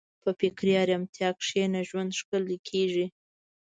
په فکري ارامتیا کښېنه، ژوند ښکلی کېږي.